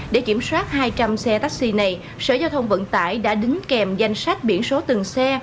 để kiểm soát hai trăm linh xe taxi này sở giao thông vận tải đã đứng kèm danh sách biển số từng xe